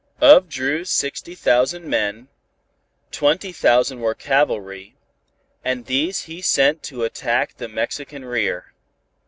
Of Dru's sixty thousand men, twenty thousand were cavalry, and these he sent to attack the Mexican rear.